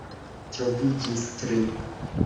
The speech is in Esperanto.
Troviĝis tri.